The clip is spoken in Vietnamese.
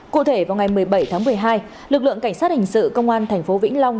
cụ thể vào ngày một mươi bảy tháng một mươi hai lực lượng cảnh sát hình sự công an thành phố vĩnh long